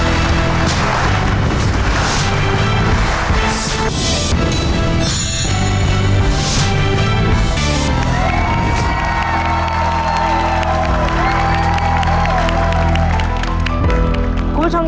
คุณผู้ชมครับ